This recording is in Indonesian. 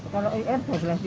kalau ir dua belas lima